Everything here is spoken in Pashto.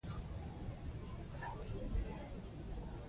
اداري پریکړې د څار وړ ګڼل کېږي.